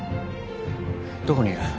どこにいる？